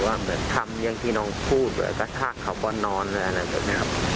ว่าเหมือนทำอย่างที่น้องพูดเหมือนก็ทากเขาก็นอนอะไรแบบนี้ครับ